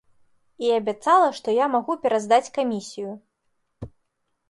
І абяцала, што я магу пераздаць камісію.